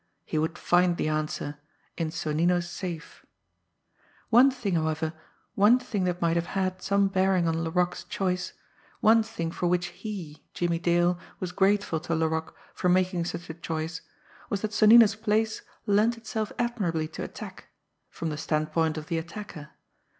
He would find the answer in Sonnino's safe! One thing, however, one thing that might have had some bearing on Laroque's choice, one thing for which he, Jimmie Dale, was grateful to Laroque for making such a choice, was that Sonnino's place lent itself admirably to attack from the standpoint of the attacker!